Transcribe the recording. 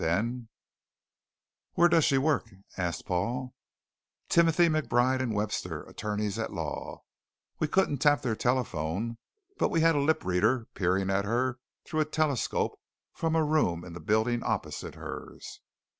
Then " "Where does she work?" asked Paul. "Timothy, McBride, and Webster, Attorneys at Law. We couldn't tap their telephone, but we had a lip reader peering at her through a telescope from a room in the building opposite hers."